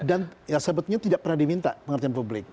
dan sebetulnya tidak pernah diminta pengertian publik